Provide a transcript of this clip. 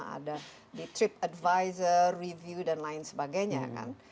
ada di trip advisor review dan lain sebagainya kan